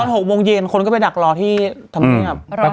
ตอน๐๖๐๕คนก็ไปหนักรอที่เท่ากราบ